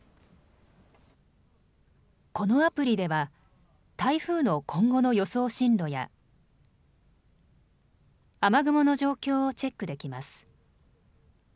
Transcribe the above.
このアプリでは台風の今後の予想進路や雨雲の状況をチェックできます。